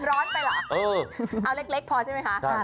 ร้อนไปเหรอเอาเล็กพอใช่ไหมคะ